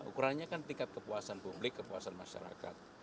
ukurannya kan tingkat kepuasan publik kepuasan masyarakat